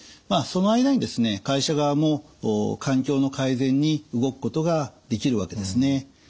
その間にですね会社側も環境の改善に動くことができるわけですね。